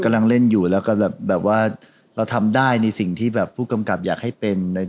กำลังเล่นอยู่แล้วก็แบบว่าเราทำได้ในสิ่งที่แบบผู้กำกับอยากให้เป็น